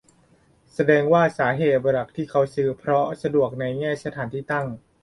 แสดงว่าสาเหตุหลักที่เขาซื้อเพราะสะดวกในแง่สถานที่ตั้ง